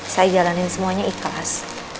saya jalanin semuanya ikhlas